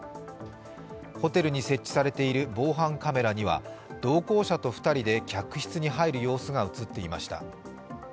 ホテルに設置されている防犯カメラには同行者と２人で客室に入る様子が映っていました。